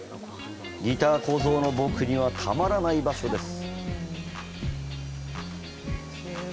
ギター小僧の僕にはたまらない場所です！